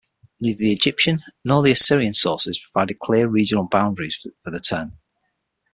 Neither the Egyptian nor the Assyrian sources provided clear regional boundaries for the term.